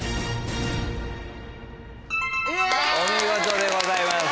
お見事でございます。